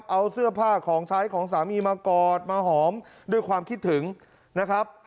เอาเสื้อผ้าของใช้ของสามีมากอดมาหอมด้วยความคิดถึงนะครับ